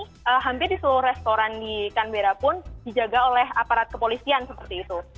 tapi hampir di seluruh restoran di canbera pun dijaga oleh aparat kepolisian seperti itu